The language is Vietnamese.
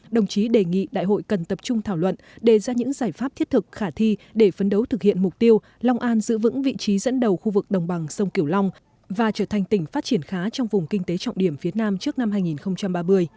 đồng chí đề nghị đại hội cần tập trung thảo luận đề ra những giải pháp thiết thực khả thi để phấn đấu thực hiện mục tiêu long an giữ vững vị trí dẫn đầu khu vực đồng bằng sông kiểu long và trở thành tỉnh phát triển khá trong vùng kinh tế trọng điểm phía nam trước năm hai nghìn ba mươi